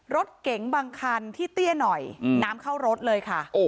รถเก๋งบางคันที่เตี้ยหน่อยน้ำเข้ารถเลยค่ะ